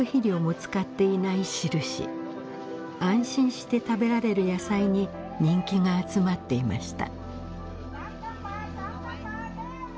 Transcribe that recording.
安心して食べられる野菜に人気が集まっていました。